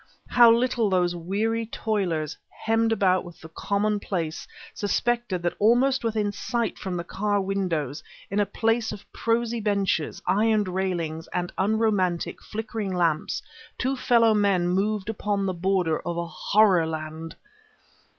How little those weary toilers, hemmed about with the commonplace, suspected that almost within sight from the car windows, in a place of prosy benches, iron railings, and unromantic, flickering lamps, two fellow men moved upon the border of a horror land!